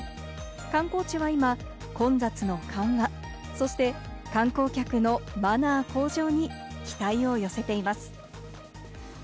観光地は今、混雑の緩和、そして観光客のマナー向上に期待を寄せています。